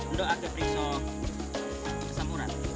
untuk aktif risau kesamuran